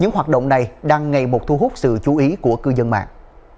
những hoạt động này đang ngày một thu hút sự chú ý của cư dân mạng